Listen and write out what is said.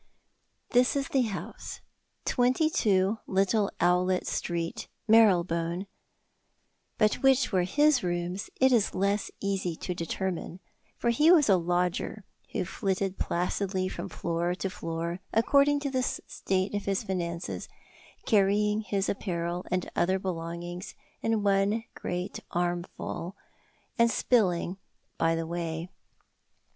This is the house, 22 Little Owlet Street, Marylebone, but which were his rooms it is less easy to determine, for he was a lodger who flitted placidly from floor to floor according to the state of his finances, carrying his apparel and other belongings in one great armful, and spilling by the way.